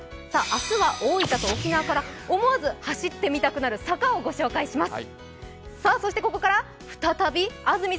明日は大分と沖縄から、思わず走ってみたくなる坂をご紹介します。